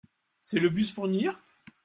C’est le bus pour New York ?